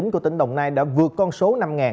của tỉnh đồng nai đã vượt con số năm